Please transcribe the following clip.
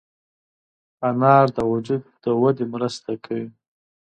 انار د وجود د ودې مرسته کوي.